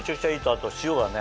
あと塩がね。